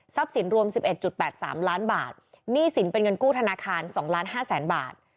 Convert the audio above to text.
ทรัพย์สินรวม๑๑๘๓ล้านบาทหนี้สินเป็นเงินกู้ธนาคาร๒๕๐๐๐๐๐บาท